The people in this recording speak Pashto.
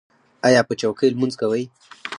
ایا په چوکۍ لمونځ کوئ؟